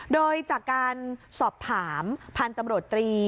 โดยจากการสอบถามพันธุ์ตำรวจตรี